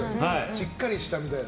しっかりしたみたいな。